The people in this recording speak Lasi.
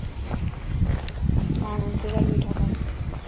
ماڻھون انتظار بيٺاڪن